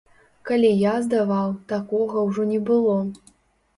Калі я здаваў, такога ўжо не было.